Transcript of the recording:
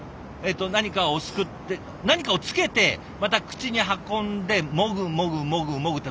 何かをすくって何かをつけてまた口に運んでもぐもぐもぐもぐって。